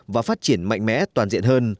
và phát triển mạnh mẽ toàn diện hơn